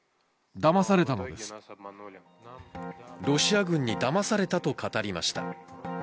ロシア軍にだまされたと語りました。